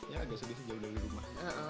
ya agak sedih jauh dari rumah